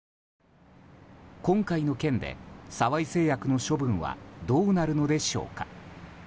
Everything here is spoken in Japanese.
今回の件で沢井製薬の処分はどうなるのでしょうか。